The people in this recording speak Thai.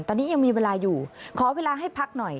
ตอนนี้ยังมีเวลาอยู่ขอเวลาให้พักหน่อย